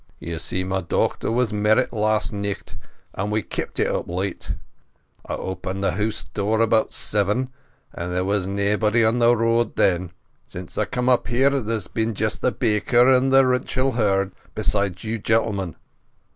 "Ye see, my dochter was merrit last nicht, and we keepit it up late. I opened the house door about seeven and there was naebody on the road then. Since I cam up here there has just been the baker and the Ruchill herd, besides you gentlemen."